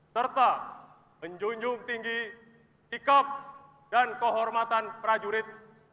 serta menjunjung tinggi sikap dan kehormatan prajurit